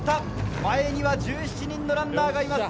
前には１７人のランナーがいます。